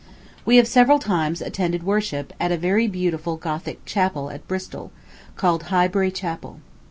We have several times attended worship at a very beautiful Gothic chapel at Bristol, called Highbury Chapel.